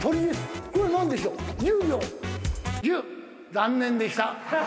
残念でした。